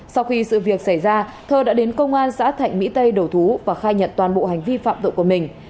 sau khi sự việc xảy ra thơ đã đến công an xã thạnh mỹ tây đầu thú và khai nhận toàn bộ hành vi phạm tội của mình